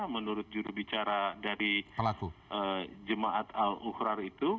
menurut jurubicara dari jemaat ul ahrar itu